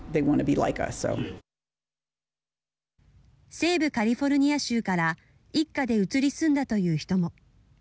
西部カリフォルニア州から一家で移り住んだという人も。